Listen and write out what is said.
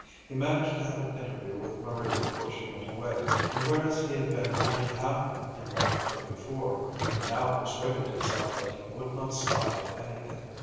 He managed to have an interview with Marie before she went away, and whereas he had been only half in love with her before, he now persuaded himself that he would not stop at anything.